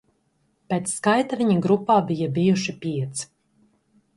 Pēc skaita viņi grupā bija bijuši pieci.